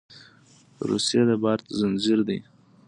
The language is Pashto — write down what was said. رسۍ د باور زنجیر دی.